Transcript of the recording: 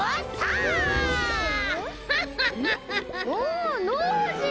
あノージー。